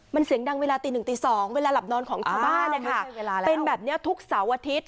มันเสียงดังเวลาตีหนึ่งตี๒เวลาหลับนอนของชาวบ้านนะคะเป็นแบบนี้ทุกเสาร์อาทิตย์